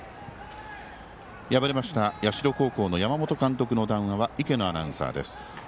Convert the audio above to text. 敗れました、社高校の山本監督の談話は池野アナウンサーです。